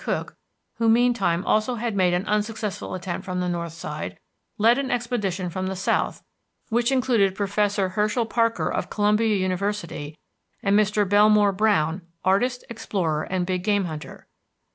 Cook, who meantime also had made an unsuccessful attempt from the north side, led an expedition from the south which included Professor Herschel Parker of Columbia University, and Mr. Belmore Browne, artist, explorer, and big game hunter.